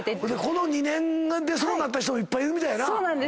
この２年でそうなった人がいっぱいいるみたいやな。